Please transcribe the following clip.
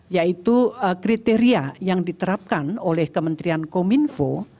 yaitu kriteria yang diterapkan oleh kementerian kominfo